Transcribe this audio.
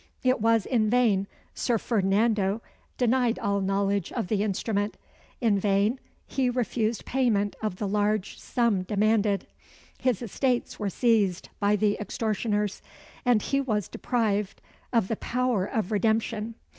It was in vain Sir Ferdinando denied all knowledge of the instrument in vain he refused payment of the large sum demanded his estates were seized by the extortioners and he was deprived of the power of redemption.